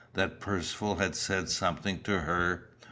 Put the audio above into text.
that Percivale had said something to her?